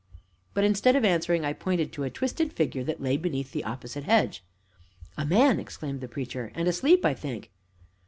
But, instead of answering, I pointed to a twisted figure that lay beneath the opposite hedge. "A man!" exclaimed the Preacher, "and asleep, I think."